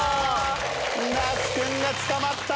那須君が捕まった！